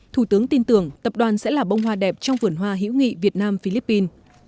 thủ tướng tin tưởng tập đoàn sẽ là bông hoa đẹp trong vườn hoa hữu nghị việt nam philippines